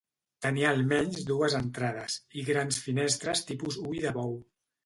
Tenia almenys dues entrades, i grans finestres tipus ull de bou.